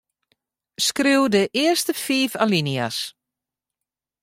Skriuw de earste fiif alinea's.